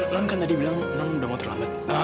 non kan tadi bilang non udah mau terlambat